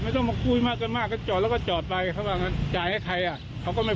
ไม่ต้องทำเป็นข่านที่อยากจะฝากให้